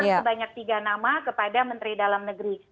sebanyak tiga nama kepada menteri dalam negeri